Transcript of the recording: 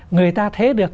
người ta thế được